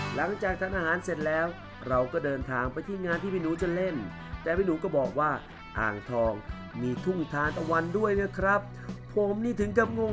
หลังจากทานอาหารเสร็จแล้วเราก็เดินทางไปที่งานที่พี่หนูจะเล่นแต่พี่หนูก็บอกว่าอ่างทองมีทุ่งทานตะวันด้วยนะครับผมนี่ถึงกับงง